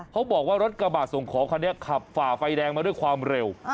เขาบอกว่ารถกระบาดส่งของคันนี้ขับฝ่าไฟแดงมาด้วยความเร็ว